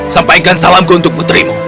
sampaikan salamku untuk putrimu